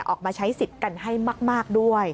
ออกมาใช้สิทธิ์กันให้มากด้วย